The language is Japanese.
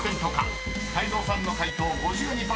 ［泰造さんの解答５２％］